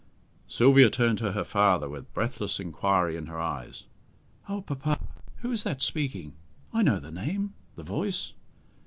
Sylvia turned to her father with breathless inquiry in her eyes. "Oh, papa! who is that speaking? I know the name! the voice!"